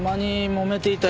もめていた？